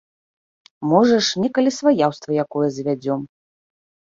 Можа ж, некалі сваяўство якое звядзём.